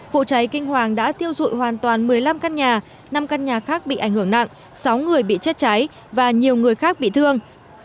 vụ cháy kinh hoàng đã thiêu dụi hoàn toàn một mươi năm căn nhà năm căn nhà khác bị ảnh hưởng nặng sáu người bị chết cháy và nhiều người khác bị thương